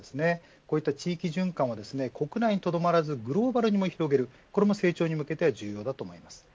こういった地域循環を国内にとどまらずグローバルにも広げるこれも成長に向けては重要だと思います。